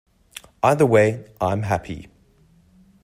Either way, I’m happy.